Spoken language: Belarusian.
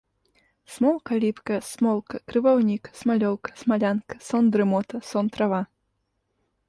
Смолка ліпкая, смолка, крываўнік, смалёўка, смалянка, сон-дрымота, сон-трава.